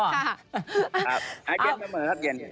ครับอ่าเย็นเสมอครับเย็น